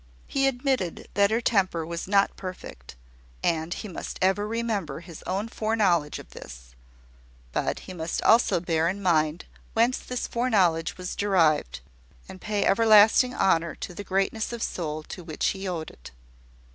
He admitted that her temper was not perfect; and he must ever remember his own foreknowledge of this: but he must also bear in mind whence this foreknowledge was derived, and pay everlasting honour to the greatness of soul to which he owed it.